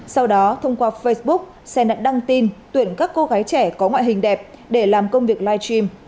sau đó thông qua facebook xe đã đăng tin tuyển các cô gái trẻ có ngoại hình đẹp để làm công việc live stream